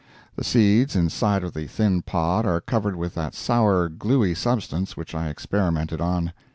The seeds inside of the thin pod are covered with that sour, gluey substance which I experimented on.